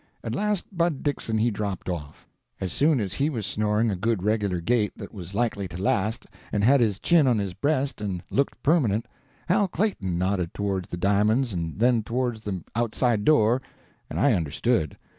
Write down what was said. At last Bud Dixon he dropped off. As soon as he was snoring a good regular gait that was likely to last, and had his chin on his breast and looked permanent, Hal Clayton nodded towards the di'monds and then towards the outside door, and I understood.